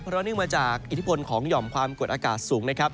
เพราะเนื่องมาจากอิทธิพลของหย่อมความกดอากาศสูงนะครับ